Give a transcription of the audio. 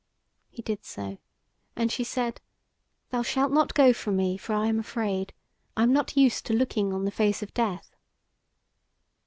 He did so, and she said: "Thou shalt not go from me; for I am afraid: I am not used to looking on the face of death."